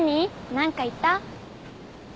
何か言った？